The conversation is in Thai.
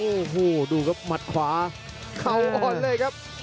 โอ้โหดูครับหมัดขวาเข่าอ่อนเลยครับ